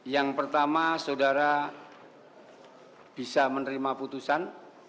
yang pertama saudara bisa menerima putusan